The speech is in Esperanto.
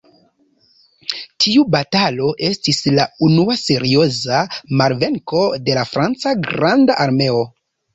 Tiu batalo estis la unua serioza malvenko de la franca "granda armeo".